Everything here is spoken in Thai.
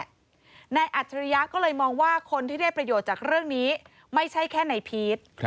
นายอัจฉริยะก็เลยมองว่าคนที่ได้ประโยชน์จากเรื่องนี้ไม่ใช่แค่นายพีช